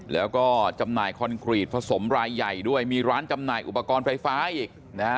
แล้วก็จำหน่ายคอนกรีตผสมรายใหญ่ด้วยมีร้านจำหน่ายอุปกรณ์ไฟฟ้าอีกนะฮะ